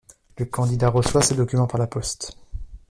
Le candidat reçoit ses documents par la poste.